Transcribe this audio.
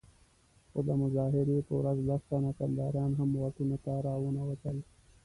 خو د مظاهرې په ورځ لس تنه کنداريان هم واټونو ته راونه وتل.